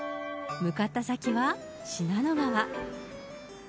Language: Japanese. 向かった先は信濃川。